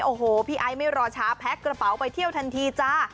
โอ้โหพี่ไอซ์ไม่รอช้าแพ็คกระเป๋าไปเที่ยวทันทีจ้า